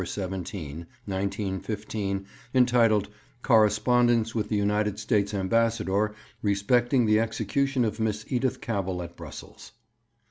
17_ (1915), entitled, 'Correspondence with the United States Ambassador respecting the execution of Miss Edith Cavell at Brussels.'